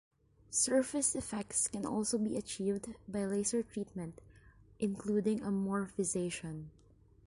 Surface effects can also be achieved by laser treatment, including amorphization.